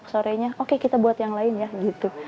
sorenya oke kita buat yang lain ya gitu